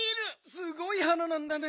すごい花なんだね。